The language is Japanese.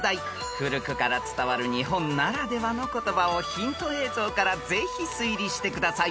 ［古くから伝わる日本ならではの言葉をヒント映像からぜひ推理してください］